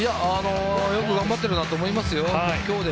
よく頑張ってるなと思いますよ。